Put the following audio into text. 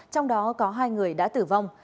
trong đó có hai người đã tử vong